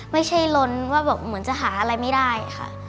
ไม่ใช่ล้นว่าแบบเหมือนจะหาอะไรไม่ได้ค่ะ